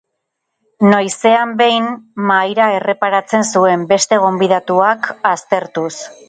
Noizean behin mahaira erreparatzen zuen, beste gonbidatuak aztertuz.